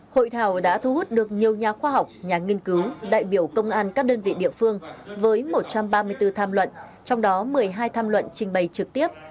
hội thảo đã thu hút được nhiều nhà khoa học nhà nghiên cứu đại biểu công an các đơn vị địa phương với một trăm ba mươi bốn tham luận trong đó một mươi hai tham luận trình bày trực tiếp